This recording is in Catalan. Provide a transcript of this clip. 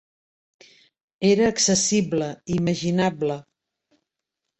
Era accessible, imaginable.